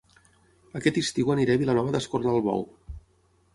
Aquest estiu aniré a Vilanova d'Escornalbou